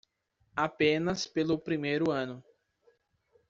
Apenas pelo primeiro ano.